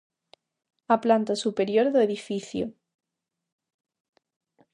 A planta superior do edificio.